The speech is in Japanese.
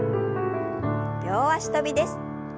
両脚跳びです。